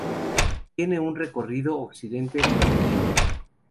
Tiene un recorrido occidente-nororiente.